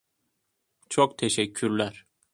Çok teşekkürler.